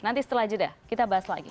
nanti setelah jeda kita bahas lagi